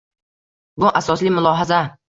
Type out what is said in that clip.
Bu asosli mulohaza